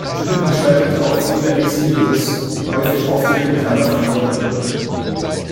Schmidt gestaltete auch viele Exlibris, häufig Aufträge bekannter Frankfurter Bürger.